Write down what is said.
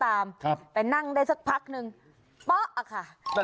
แต่นั่งได้ปั๊กนึงป๊อล้ากค่ะ